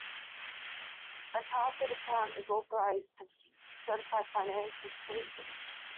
A chartered accountant is authorised to certify financial statements